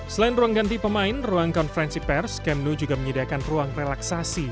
selain ruang ganti pemain ruang konferensi pers kemnu juga menyediakan ruang relaksasi